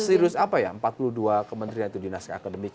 serius apa ya empat puluh dua kementerian itu dinas akademik